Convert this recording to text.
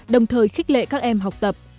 đồng thời khích lệ các em học tập